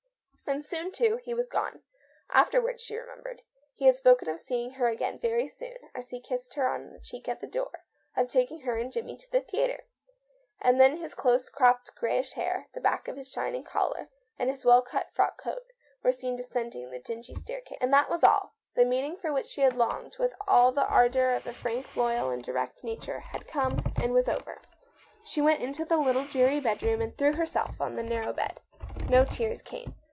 And soon, too, he was gone. Afterward, she remembered, he had spoken of seeing her again very soon, as he kissed her cheek at the door — of taking her and Jimmie to the theatre. And then his close cropped, greyish hair, the back of his shining collar, and his THE MAN RETURNS. 167 well cut frock coat, were seen descending the dingy staircase. And that was all. The meeting for which she had longed with all the ardour of a frank, loyal, and direct nature had come, and was over. .. She went into the little dreary bedroom and threw herself on the narrow bed. No tears came.